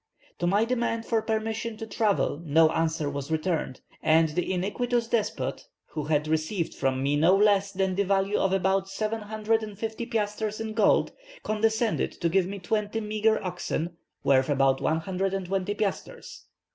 To my demand for permission to travel no answer was returned, and the iniquitous despot, who had received from me no less than the value of about 750 piastres in goods, condescended to give me twenty meagre oxen, worth about 120 piastres.